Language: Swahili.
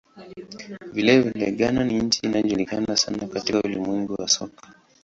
Vilevile, Ghana ni nchi inayojulikana sana katika ulimwengu wa soka.